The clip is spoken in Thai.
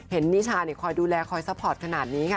นิชาคอยดูแลคอยซัพพอร์ตขนาดนี้ค่ะ